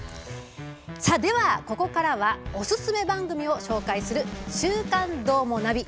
では、ここからはおすすめ番組をご紹介する「週刊どーもナビ」。